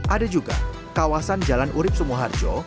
ada juga kawasan jalan urib sumoharjo